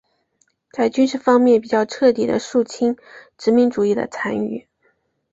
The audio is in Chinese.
在军事方面比较彻底地肃清殖民主义的残余。